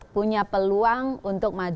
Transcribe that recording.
punya peluang untuk maju putaran ke tujuh